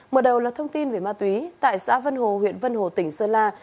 mở đầu là thông tin về ma túy tại xã vân hồ huyện vân hồ tỉnh sơn la